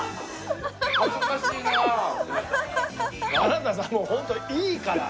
あなたさもうホントいいから！